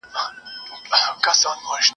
له خلوته مي پر بده لار روان كړل `